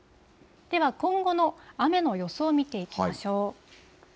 では、今後の雨の予想を見ていきましょう。